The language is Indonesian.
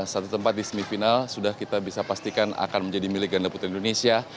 satu tempat di semifinal sudah kita bisa pastikan akan menjadi milik ganda putra indonesia